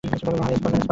চলো হয় এসপার নয় ওসপার।